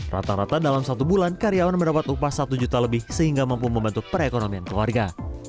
rata rata dalam satu bulan karyawan mendapat upah satu juta lebih sehingga mampu membantu perekonomian keluarga